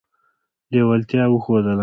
لېوالتیا وښودله.